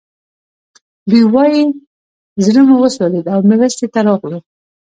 دوی وايي زړه مو وسوځېد او مرستې ته راغلو